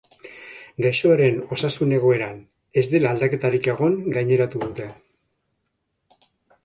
Gaixoaren osasun egoeran ez dela aldaketarik egon gaineratu dute.